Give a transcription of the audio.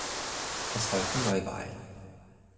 Es folgten Neuwahlen.